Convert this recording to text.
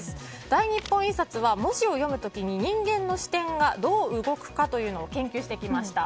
大日本印刷は文字を読む時に人間の視点がどう動くかというのを研究してきました。